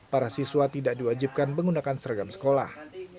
para siswa tidak diwajibkan menggunakan seragam sekolah